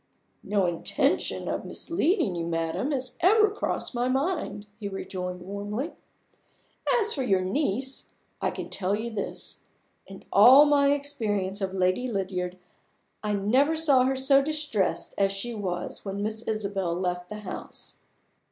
"No intention of misleading you, madam, has ever crossed my mind," he rejoined warmly. "As for your niece, I can tell you this. In all my experience of Lady Lydiard, I never saw her so distressed as she was when Miss Isabel left the house!"